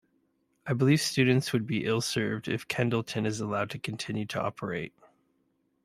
I believe students would be ill-served if Kendleton is allowed to continue to operate.